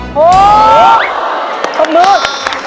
โอ้โฮขอบคุณ